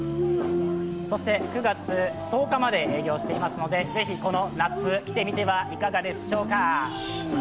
そして、９月１０日まで営業してますのでぜひこの夏、来てみてはいかがでしょうか？